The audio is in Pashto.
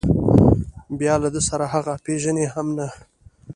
بیا له ده سره هغه پېژني هم نه.